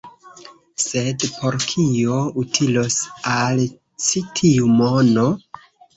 Sed por kio utilos al ci tiu mono?